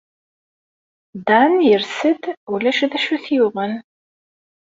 Dan yers-d, ulac d acu ay t-yuɣen.